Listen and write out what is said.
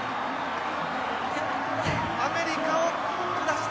アメリカを下した。